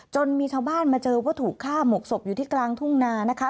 จนมีชาวบ้านมาเจอว่าถูกฆ่าหมกศพอยู่ที่กลางทุ่งนานะคะ